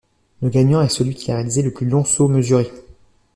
Le gagnant est celui qui a réalisé le plus long saut mesuré.